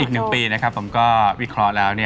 อีก๑ปีนะครับผมก็วิเคราะห์แล้ว